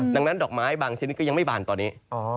ดังนั้นดอกไม้บางชนิดก็ยังไม่บานตอนนี้